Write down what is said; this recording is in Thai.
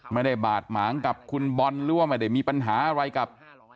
ไม่ได้บาดหมางกับคุณบอลหรือว่าไม่ได้มีปัญหาอะไรกับ